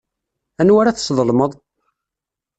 Anwa ara tesḍelmeḍ?